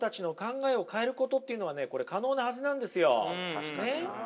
確かにな。